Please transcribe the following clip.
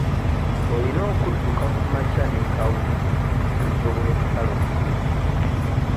Oyina okudduka kumakya n'ekawungezi okusobola okusala omugejjo.